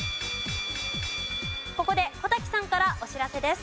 ここで小瀧さんからお知らせです。